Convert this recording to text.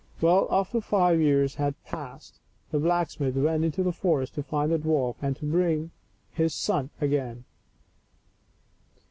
Well, after five years had passed, the blacksmith went into the forest to find the dwarf and to bring back his son again.